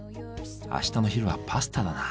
あしたの昼はパスタだな。